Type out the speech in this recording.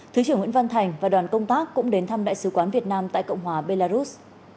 thứ trưởng nguyễn văn thành và đoàn công tác cũng đến thăm đại sứ quán việt nam tại cộng hòa belarus